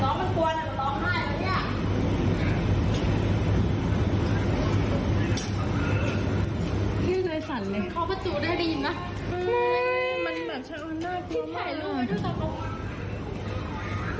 เขาประตูได้ดีอย่างนั้ะ